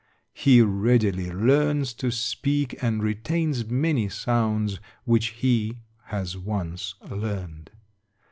He readily learns to speak, and retains many sounds which he has once learned.